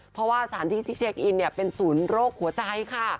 เพราะว่าสารที่ที่เช็คอินเป็นศูนย์โรคหัวใจค่ะ